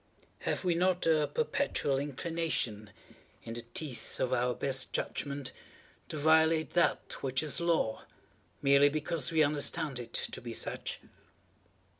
Have we not a perpetual inclination, in the teeth of our best judgment, to violate that which is Law, merely because we understand it to be such?